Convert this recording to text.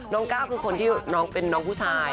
ก้าวคือคนที่น้องเป็นน้องผู้ชาย